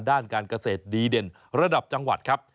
ด้านการเกษตรดีเด่นระดับจังหวัดครับ